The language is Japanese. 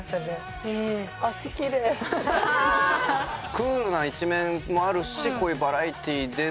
クールな一面もあるしこういうバラエティーでの幅。